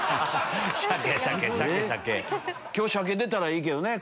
今日鮭出たらいいけどね。